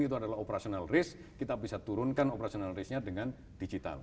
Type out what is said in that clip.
itu adalah operational risk kita bisa turunkan operational risk nya dengan digital